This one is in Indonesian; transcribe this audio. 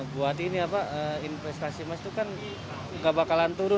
buat ini apa investasi emas itu kan gak bakalan turun